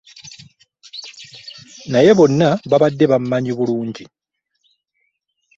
Naye bonna babadde bammanyi bulungi.